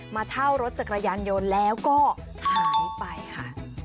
มาเช่ารถจักรยานยนต์แล้วก็หายไปค่ะ